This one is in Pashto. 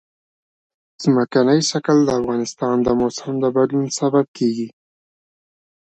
ځمکنی شکل د افغانستان د موسم د بدلون سبب کېږي.